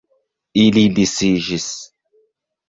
Ili disiĝis.